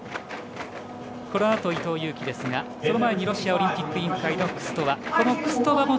このあと伊藤有希ですがその前にロシアオリンピック委員会のクストワ。